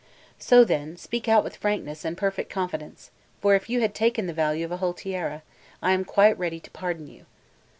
So, then, speak out with frankness and perfect confidence; for if you had taken the value of a whole tiara, I am quite ready to pardon you."